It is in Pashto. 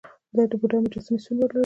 د بودا مجسمې څومره لوړې وې؟